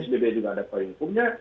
karena psbb juga ada payung hukumnya